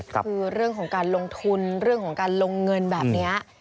คือเรื่องของการลงทุนเรื่องของการลงเงินแบบนี้